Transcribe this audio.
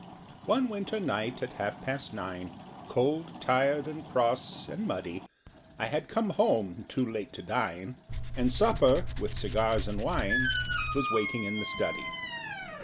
One winter night, at half past nine, Cold, tired, and cross, and muddy, I had come home, too late to dine, And supper, with cigars and wine, Was waiting in the study.